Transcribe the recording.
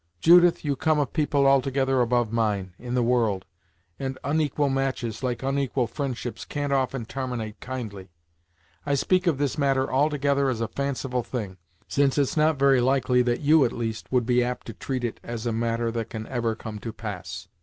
"Judith, you come of people altogether above mine, in the world, and onequal matches, like onequal fri'ndships can't often tarminate kindly. I speak of this matter altogether as a fanciful thing, since it's not very likely that you, at least, would be apt to treat it as a matter that can ever come to pass."